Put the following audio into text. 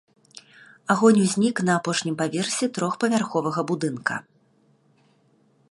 Агонь узнік на апошнім паверсе трохпавярховага будынка.